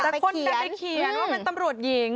แต่คนจะไปเขียนว่าเป็นตำรวจหญิง